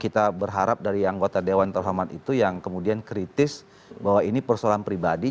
kita berharap dari anggota dewan terhormat itu yang kemudian kritis bahwa ini persoalan pribadi